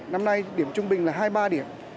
năm nay điểm trung bình là hai ba điểm